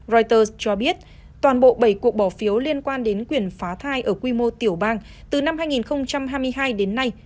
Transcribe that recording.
reuters cho biết toàn bộ bảy cuộc bỏ phiếu liên quan đến quyền phá thai ở quy mô tiểu bang từ năm hai nghìn hai mươi hai đến nay